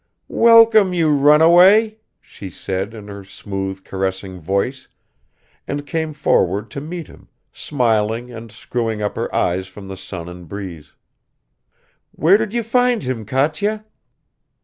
"Welcome, you runaway!" she said in her smooth caressing voice, and came forward to meet him, smiling and screwing up her eyes from the sun and breeze. "Where did you find him, Katya?"